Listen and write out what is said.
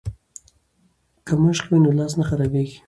که مشق وي نو لاس نه خرابیږي.